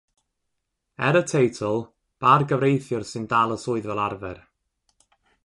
Er y teitl, bargyfreithiwr sy'n dal y swydd fel arfer.